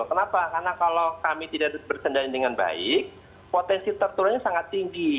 kenapa karena kalau kami tidak bersendani dengan baik potensi terturunnya sangat tinggi